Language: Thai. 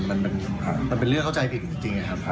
มันเป็นเรื่องเข้าใจผิดเอาจริง